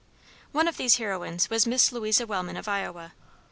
One of these heroines was Miss Louisa Wellman of Iowa.